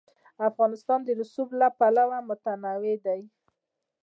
افغانستان د رسوب له پلوه متنوع دی.